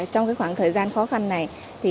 trong khoảng thời gian khó khăn này